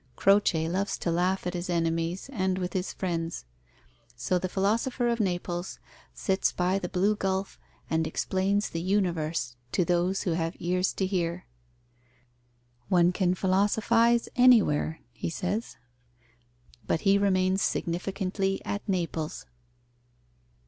Croce loves to laugh at his enemies and with his friends. So the philosopher of Naples sits by the blue gulf and explains the universe to those who have ears to hear. "One can philosophize anywhere," he says but he remains significantly at Naples.